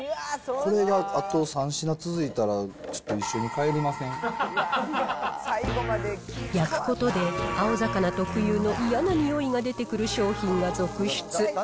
これがあと３品続いたら、焼くことで、青魚特有の嫌な臭いが出てくる商品が続出。